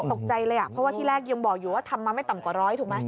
ตกใจเลยอ่ะเพราะว่าที่แรกยังบอกอยู่ว่าทำมาไม่ต่ำกว่าร้อยถูกไหม